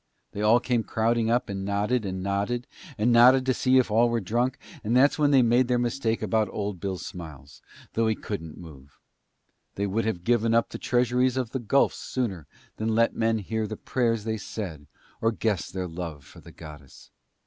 They all came crowding up and nodded and nodded and nodded to see if all were drunk, and that's when they made their mistake about old Bill Smiles, although he couldn't move. They would have given up the treasuries of the gulfs sooner than let men hear the prayers they said or guess their love for the goddess.